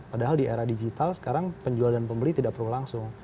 padahal di era digital sekarang penjual dan pembeli tidak perlu langsung